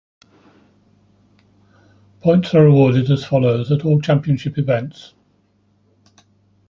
Points are awarded as follows at all championship events.